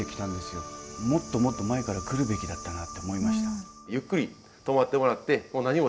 もっともっと前から来るべきだったなって思いました。